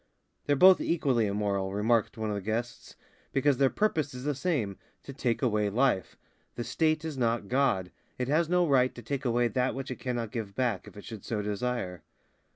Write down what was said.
"They're both equally immoral," remarked one of the guests, "because their purpose is the same, to take away life. The State is not God. It has no right to take away that which it cannot give back, if it should so desire."